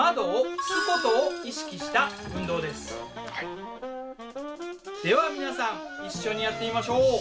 では皆さん一緒にやってみましょう。